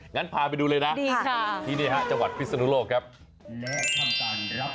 งั้นพาไปดูเลยนะที่นี่จังหวัดพิษณุโลกครับดีค่ะ